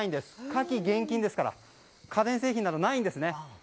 火気厳禁ですから家電製品などないんですね。